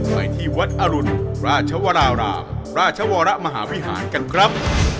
ไปที่วัดอรุณราชวรารามราชวรมหาวิหารกันครับ